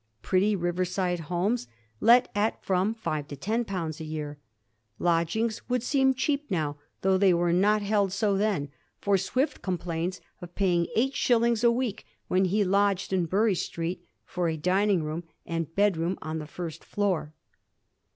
Pretty riverside houses let at firom five to ten pounds a year. Lodgings would seem cheap now, though they were not held so then, for Swift complains of paying eight shillings a week when he lodged in Bury Street for a dining room and bedroom on the first floor.